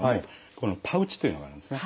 このパウチというのがあるんですね